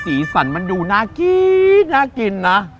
สีสันมันดูน่ากินน่ากินนะ